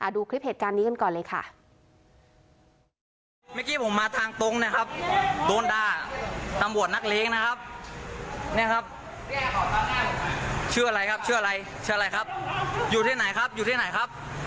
ดูคลิปเหตุการณ์นี้กันก่อนเลยค่ะ